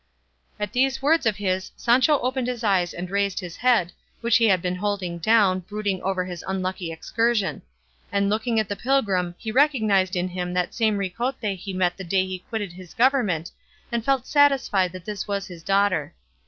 At these words of his, Sancho opened his eyes and raised his head, which he had been holding down, brooding over his unlucky excursion; and looking at the pilgrim he recognised in him that same Ricote he met the day he quitted his government, and felt satisfied that this was his daughter.